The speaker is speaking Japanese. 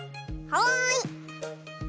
はい！